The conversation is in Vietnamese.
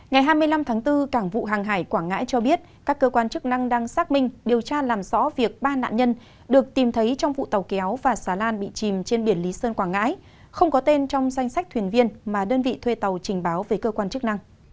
ngày hai mươi năm tháng bốn cảng vụ hàng hải quảng ngãi cho biết các cơ quan chức năng đang xác minh điều tra làm rõ việc ba nạn nhân được tìm thấy trong vụ tàu kéo và xà lan bị chìm trên biển lý sơn quảng ngãi không có tên trong danh sách thuyền viên mà đơn vị thuê tàu trình báo với cơ quan chức năng